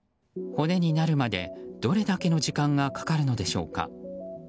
骨になるまでどれだけの時間がかかるのでしょうか。